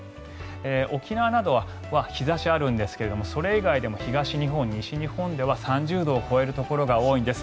沖縄などは日差しがあるんですがそれ以外でも東日本、西日本では３０度を超えるところが多いんです。